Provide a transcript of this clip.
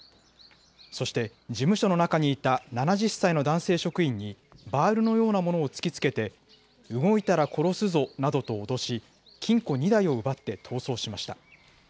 そして、事務所の中にいた７０歳の男性職員に、バールのようなものを突きつけて、動いたら殺すぞなどと脅し、金庫２台を奪って逃走しました。